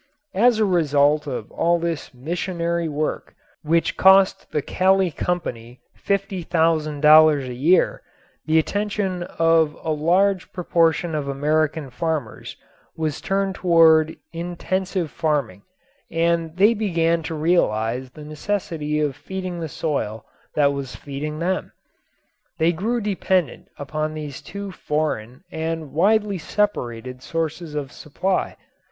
As a result of all this missionary work, which cost the Kali Company $50,000 a year, the attention of a large proportion of American farmers was turned toward intensive farming and they began to realize the necessity of feeding the soil that was feeding them. They grew dependent upon these two foreign and widely separated sources of supply.